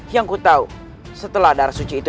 yang ku tahu setelah darah suci itu